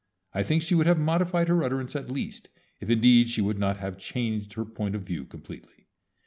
I think she would have modified her utterance at least, if indeed she would not have changed her point of view completely.